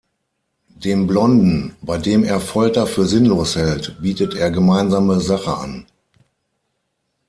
Dem Blonden, bei dem er Folter für sinnlos hält, bietet er gemeinsame Sache an.